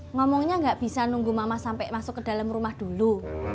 ngomongnya nggak bisa nunggu mama sampai masuk ke dalam rumah dulu